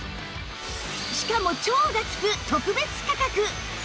しかも超がつく特別価格！